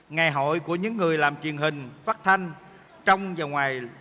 ngày hội của những người làm truyền hình phát thanh trong và ngoài lãnh đạo